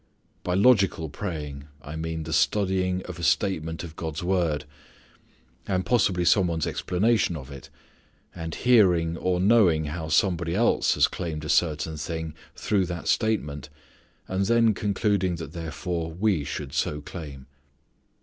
By logical praying I mean the studying of a statement of God's word, and possibly some one's explanation of it, and hearing or knowing how somebody else has claimed a certain thing through that statement and then concluding that therefore we should so claim.